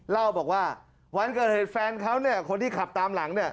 เล่าบอกว่าวันเกิดเหตุแฟนเขาเนี่ยคนที่ขับตามหลังเนี่ย